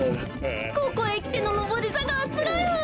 ここへきてののぼりざかはつらいわ！